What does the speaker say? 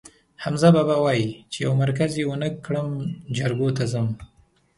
حمزه بابا وایي: چې یو مرگز یې ونه کړم، جرګو ته ځم.